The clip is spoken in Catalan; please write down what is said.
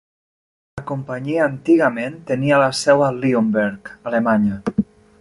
La companyia antigament tenia la seu a Leonberg, Alemanya.